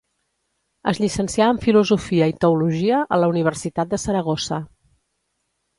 Es llicencià en filosofia i teologia a la Universitat de Saragossa.